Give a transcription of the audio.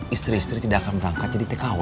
istri istri tidak akan berangkat jadi tkw